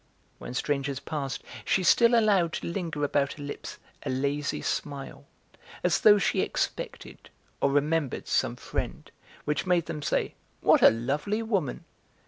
When strangers passed she still allowed to linger about her lips a lazy smile, as though she expected or remembered some friend, which made them say: "What a lovely woman!".